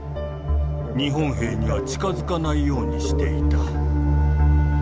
日本兵には近づかないようにしていた。